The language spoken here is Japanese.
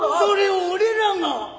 それを俺らが。